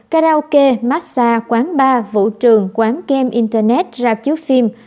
karaoke massa quán bar vũ trường quán game internet rạp chứa phim